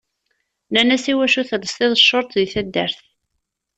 Nnan-as iwacu telsiḍ short deg taddart.